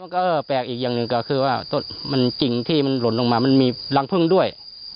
ก็แปลกอีกอย่างหนึ่งก็คือว่าต้นมันจริงที่มันหล่นลงมามันมีรังพึ่งด้วย